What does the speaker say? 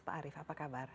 pak arief apa kabar